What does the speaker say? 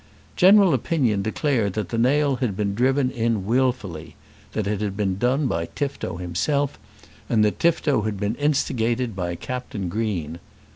General opinion declared that the nail had been driven in wilfully, that it had been done by Tifto himself, and that Tifto had been instigated by Captain Green.